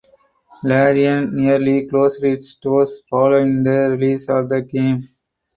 Larian nearly closed its doors following the release of the game.